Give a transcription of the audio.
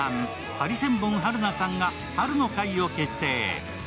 ハリセンボン春菜さんが「春の会」を結成。